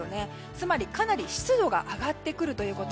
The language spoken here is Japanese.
つまりかなり湿度が上がってくるということ。